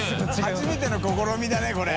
初めての試みだねこれ。